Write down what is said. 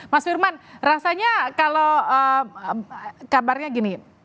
mas firman rasanya kalau kabarnya gini